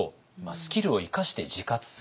スキルを生かして自活する。